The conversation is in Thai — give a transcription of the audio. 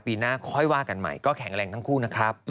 ปีหน้าค่อยว่ากันใหม่ก็แข็งแรงทั้งคู่นะครับ